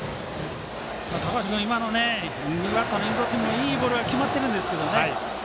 高橋君、今の右バッターのインコースいいボールは決まってるんですけどね。